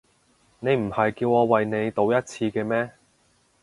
你唔係叫我為你賭一次嘅咩？